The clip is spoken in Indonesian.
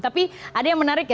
tapi ada yang menarik ya